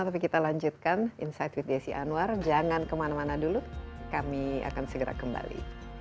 tapi kita lanjutkan insight with desi anwar jangan kemana mana dulu kami akan segera kembali